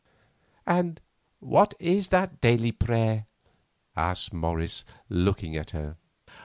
"And what is that daily prayer?" asked Morris, looking at her.